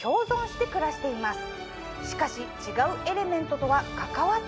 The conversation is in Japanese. しかし。